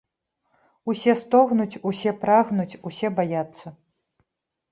Усе стогнуць, усе прагнуць, усе баяцца.